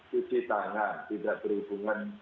cuci tangan tidak berhubungan